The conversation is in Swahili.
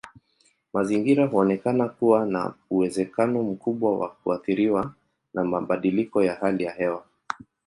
Mazingira huonekana kuwa na uwezekano mkubwa wa kuathiriwa na mabadiliko ya hali ya hewa.